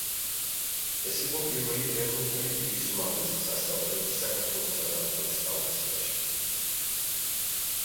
ეს იყო პირველი ევროპული ტიპის უმაღლესი სასწავლებელი საქართველოსა და მთელს კავკასიაში.